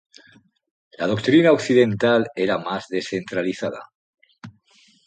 La doctrina occidental era más descentralizada.